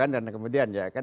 dan kemudian ya